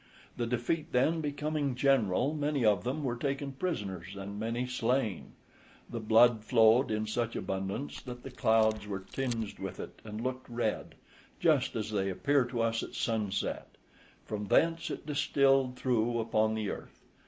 The defeat then becoming general, many of them were taken prisoners and many slain; the blood flowed in such abundance that the clouds were tinged with it and looked red, just as they appear to us at sunset; from thence it distilled through upon the earth.